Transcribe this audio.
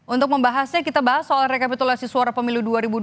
untuk membahasnya kita bahas soal rekapitulasi suara pemilu dua ribu dua puluh